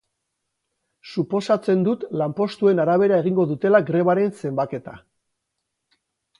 Suposatzen dut lanpostuen arabera egingo dutela grebaren zenbaketa.